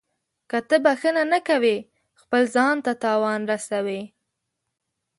• که ته بښنه نه کوې، خپل ځان ته تاوان رسوې.